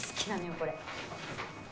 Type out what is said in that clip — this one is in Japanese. これ。